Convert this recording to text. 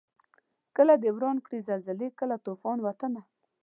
کله دي وران کړي زلزلې کله توپان وطنه